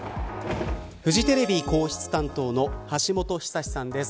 フジテレビ皇室担当の橋本寿史さんです。